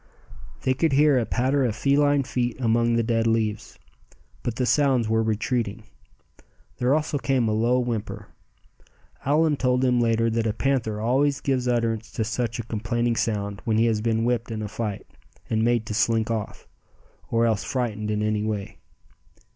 They could hear a patter of feline feet among the dead leaves; but the sounds were retreating. There also came a low whimper. Allan told them later that a panther always gives utterance to such a complaining sound when he has been whipped in a fight, and made to slink off; or else frightened in any way.